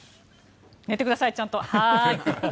寝てください、ちゃんと。